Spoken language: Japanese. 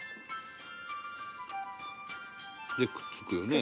でくっつくよね。